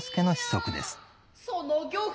その漁夫